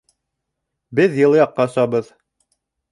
Беҙ йылы яҡҡа осабыҙ!